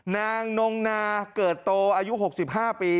นางนงนาเกิดโตอายุ๖๕ปี